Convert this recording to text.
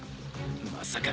まさか。